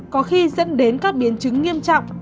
có khi dẫn đến các biến chứng nghiêm trọng